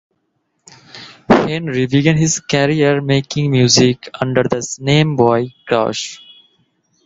Henry began his career making music under the name Boy Crush.